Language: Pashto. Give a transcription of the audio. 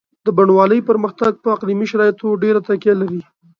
د بڼوالۍ پرمختګ په اقلیمي شرایطو ډېره تکیه لري.